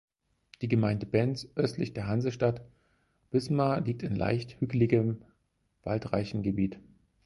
Die Gemeinde Benz östlich der Hansestadt Wismar liegt in leicht hügeligem, waldreichen Gebiet.